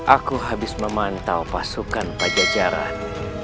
aku habis memantau pasukan pajajaran